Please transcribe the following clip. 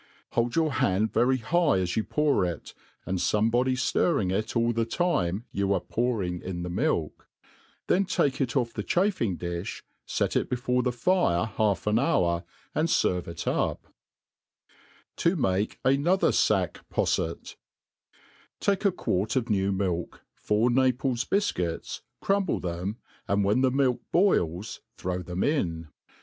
Hold your hand yery high as you pour it, and fomebody ftirring it all the time you arc pouring in the milk : then take it o(F the chafing«di&9 fet it before the fire half an hour, and ferve it up* To make another Sack PoJfeU TAKE a quart of nevir milk, four Naples bifcuits, crumble them, and when the milk boils throw them in.